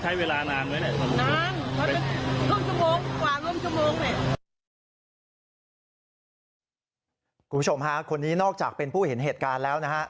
คุณผู้ชมฮะคนนี้นอกจากเป็นผู้เห็นเหตุการณ์แล้วนะฮะ